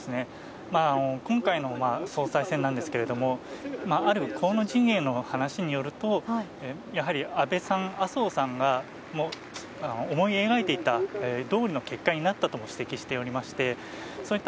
今回の総裁選ですが、河野陣営の話によると安倍さん、麻生さんが思い描いていたどおりの結果になったとも指摘していましてそういった